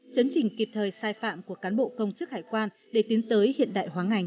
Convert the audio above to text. chấn trình kịp thời sai phạm của cán bộ công chức hải quan để tiến tới hiện đại hóa ngành